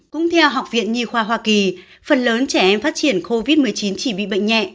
cũng theo học viện nhi khoa hoa kỳ phần lớn trẻ em phát triển covid một mươi chín chỉ bị bệnh nhẹ